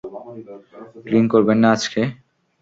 Drink করবেন না আজকে?